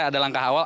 ada langkah awal